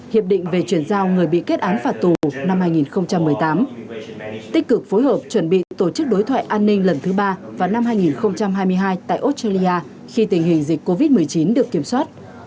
hiệp định về chuyển giao người bị kết án phạt tù năm hai nghìn một mươi tám tích cực phối hợp chuẩn bị tổ chức đối thoại an ninh lần thứ ba vào năm hai nghìn hai mươi hai tại australia khi tình hình dịch covid một mươi chín được kiểm soát